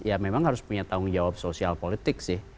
ya memang harus punya tanggung jawab sosial politik sih